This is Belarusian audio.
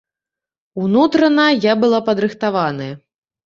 Унутрана я была падрыхтаваная.